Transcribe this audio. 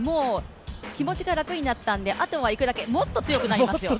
気持ちが楽になったんで、あとはいくだけ、もっと強くなりますよ。